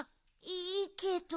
いいけど。